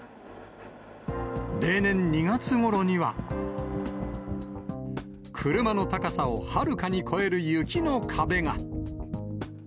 例年２月ごろには、車の高さをはるかに超える雪の壁が。